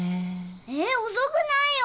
えっ遅くないよ！